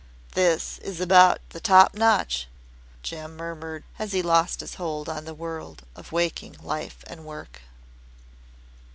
"This is about the top notch," Jem murmured as he lost his hold on the world of waking life and work.